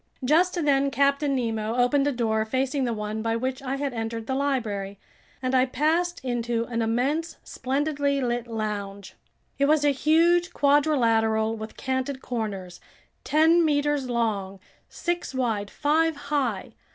Just then Captain Nemo opened a door facing the one by which I had entered the library, and I passed into an immense, splendidly lit lounge. It was a huge quadrilateral with canted corners, ten meters long, six wide, five high.